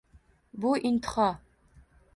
Bu — intiho!